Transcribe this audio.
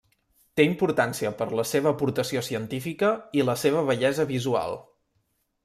Té importància per la seva aportació científica i la seva bellesa visual.